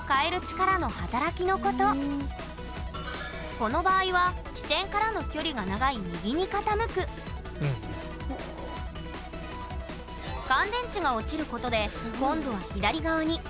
この場合は支点からの距離が長い右に傾く乾電池が落ちることで今度は左側に。